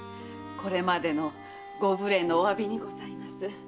これまでのご無礼のお詫びにございます。